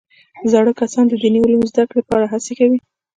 زاړه کسان د دیني علومو زده کړې لپاره هڅې کوي